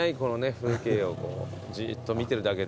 風景をじっと見てるだけで。